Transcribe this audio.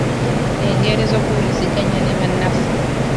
engeri z’okuwuliziganya ne bannaffe.